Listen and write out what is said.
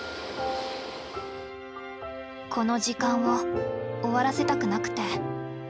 この時間を終わらせたくなくて。